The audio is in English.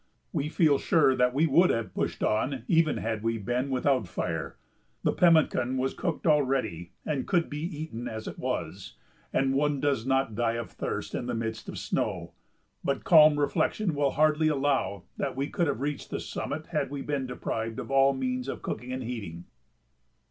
We feel sure that we would have pushed on even had we been without fire. The pemmican was cooked already, and could be eaten as it was, and one does not die of thirst in the midst of snow; but calm reflection will hardly allow that we could have reached the summit had we been deprived of all means of cooking and heating.